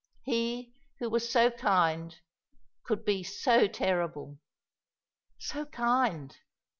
He who was so kind could be so terrible. So kind!